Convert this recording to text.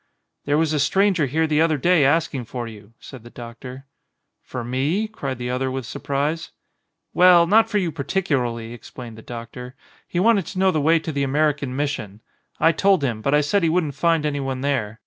"There was a stranger here the other day ask ing for you," said the doctor. "For me?" cried the other with surprise. "Well, not for you particularly," explained the doctor. "He wanted to know the way to the American Mission. I told him; but I said he wouldn't find anyone there.